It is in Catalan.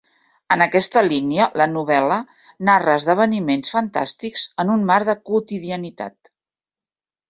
En aquesta línia, la novel·la narra esdeveniments fantàstics en un marc de quotidianitat.